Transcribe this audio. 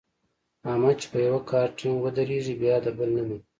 احمد چې په یوه کار ټینګ ودرېږي بیا د بل نه مني.